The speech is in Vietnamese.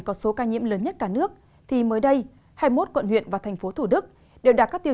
có số ca nhiễm lớn nhất cả nước thì mới đây hai mươi một quận huyện và thành phố thủ đức đều đạt các tiêu